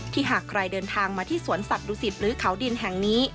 หากใครเดินทางมาที่สวนสัตวศิษฐ์หรือเขาดินแห่งนี้